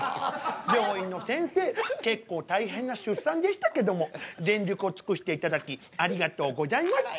病院のせんせい結構大変な出産でしたけども全力を尽くしていただきありがとうございました。